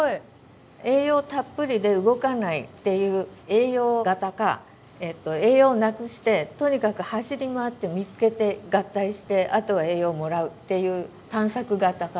栄養たっぷりで動かないっていう栄養型か栄養をなくしてとにかく走り回って見つけて合体してあとは栄養をもらうっていう探索型かどっちかに分かれた。